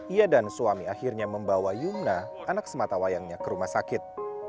ia dan suami akhirnya membawa yumna anak sematawayangnya ke rumah sakit